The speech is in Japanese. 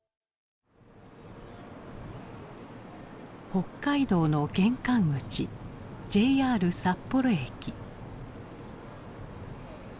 北海道の玄関口ＪＲ札幌駅。